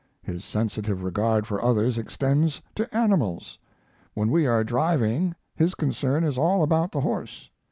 His sensitive regard for others extends to animals. When we are driving his concern is all about the horse.